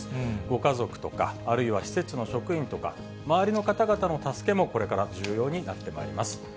ご家族とか、あるいは施設の職員とか、周りの方々の助けもこれから重要になってまいります。